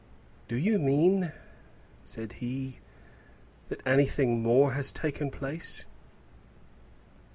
"Do you mean," said he, "that anything more has taken place?"